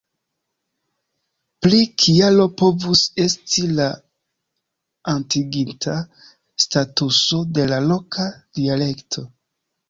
Plia kialo povus esti la atingita statuso de la loka dialekto.